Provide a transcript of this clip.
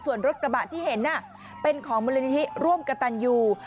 ส่วนรถกระบะที่เห็นเป็นของมูลนิธิร่วมกระตันยู